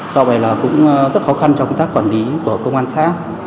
do vậy là cũng rất khó khăn trong công tác quản lý của công an xã